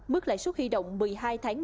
mức lại suất huy động một mươi hai tháng